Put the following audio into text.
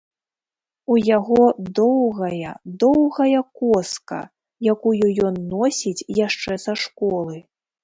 У яго доўгая-доўгая коска, якую ён носіць яшчэ са школы.